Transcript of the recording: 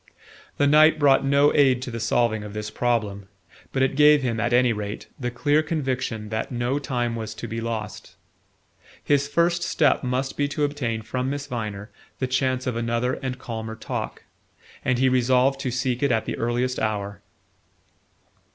The night brought no aid to the solving of this problem; but it gave him, at any rate, the clear conviction that no time was to be lost. His first step must be to obtain from Miss Viner the chance of another and calmer talk; and he resolved to seek it at the earliest hour.